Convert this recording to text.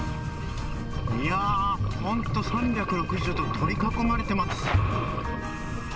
いやあ、本当３６０度取り囲まれています。